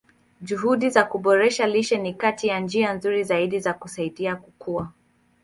Juhudi za kuboresha lishe ni kati ya njia nzuri zaidi za kusaidia kukua.